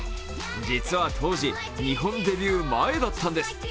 実は当時、日本デビュー前だったんです。